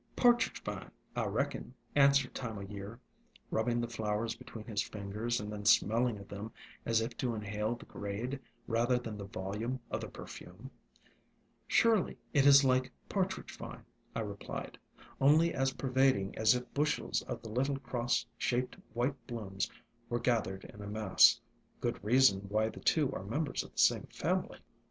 "Pa'tridge Vine, I reckon," answered Time o' ALONG THE WATERWAYS 41 Year, rubbing the flowers between his fingers, and then smelling of them as if to inhale the grade rather than the volume of the perfume. "Surely it is like Partridge Vine," I replied; "only as pervading as if bushels of the little cross shaped white blooms were gathered in a mass. Good reason why — the two are members of the same family."